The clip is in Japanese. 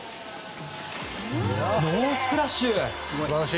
ノースプラッシュ。